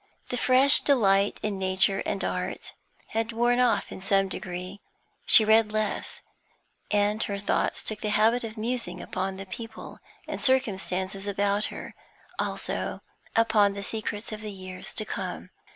The fresh delight in nature and art had worn off in some degree; she read less, and her thoughts took the habit of musing upon the people and circumstances about her, also upon the secrets of the years to come.